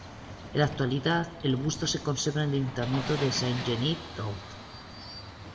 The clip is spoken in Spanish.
En la actualidad el busto se conserva en el ayuntamiento de Saint-Geniez-d'Olt.